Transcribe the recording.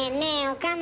岡村。